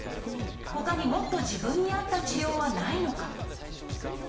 ほかにもっと自分に合った治療はないのか？」。